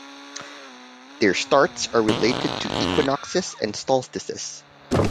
Their starts are related to equinoxes and solstices.